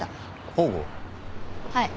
はい。